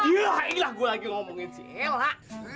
ya ini lah gua lagi ngomongin si elah